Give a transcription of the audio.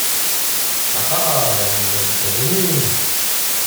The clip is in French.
Ah ! ah ! elle nous invite à venir.